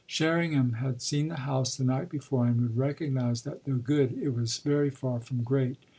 Sherringham had seen the house the night before and would recognise that, though good, it was very far from great.